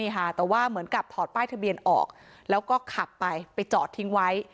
แต่ว่าเหมือนกับถอดป้ายทะเบียนออกแล้วก็ขับไปไปจอดทิ้งไว้